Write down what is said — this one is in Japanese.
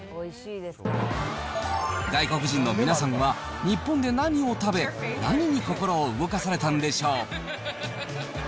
外国人の皆さんは、日本で何を食べ、何に心を動かされたんでしょう？